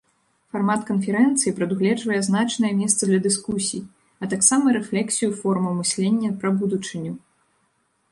Фармат канферэнцыі прадугледжвае значнае месца для дыскусій, а таксама рэфлексію формаў мыслення пра будучыню.